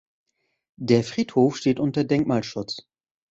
Der Friedhof steht unter Denkmalschutz.